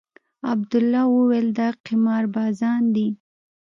عبدالله وويل دا قمار بازان دي.